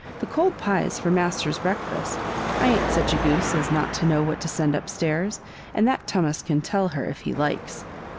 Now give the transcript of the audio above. The cold pie's for master's breakfast I ain't such a goose as not to know what to send up stairs, and that Tummas can tell her if he likes.'